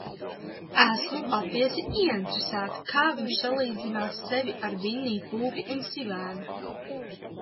Esmu patiesi ieinteresēta kā viņš salīdzinās sevi ar Vinniju Pūku un Sivēnu.